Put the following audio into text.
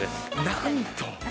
なんと！